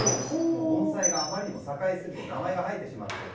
盆栽があまりにも栄えすぎて名前が入ってしまっていると。